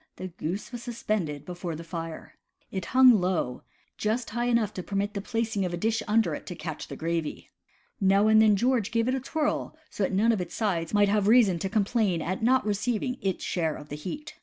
the goose was suspended before the fire. It hung low — just high enough to permit the placing of a dish under it to catch the gravy. Now and then George gave it a twirl so that none of its sides might have reason to com plain at not receiving its share of the heat.